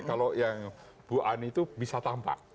kalau yang bu ani itu bisa tampak